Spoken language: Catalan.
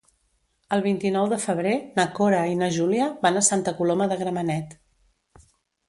El vint-i-nou de febrer na Cora i na Júlia van a Santa Coloma de Gramenet.